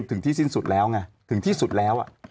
ถึงที่สิ้นสุดแล้วไงถึงที่สุดแล้ว